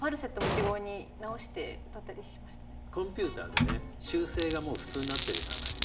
あちょっとコンピューターでね修正がもう普通になってるじゃないですか